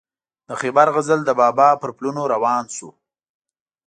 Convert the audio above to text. د خیبر غزل د بابا پر پلونو روان شو.